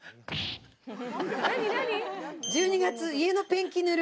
「１２月家のペンキ塗る」。